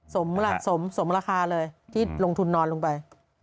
สมราคาเลยที่ลงทุนนอนลงไป